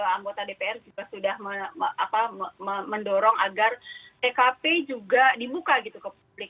anggota dpr juga sudah mendorong agar tkp juga dibuka gitu ke publik